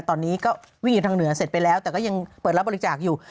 ตอนนี้ก็วิ่งอยู่ทางเหนือเสร็จไปแล้วแต่ก็ยังเปิดรับบริจาคอยู่